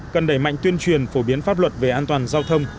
cần đẩy mạnh tuyên truyền phổ biến pháp luật về an toàn giao thông